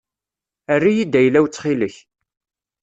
Err-iyi-d ayla-w ttxil-k.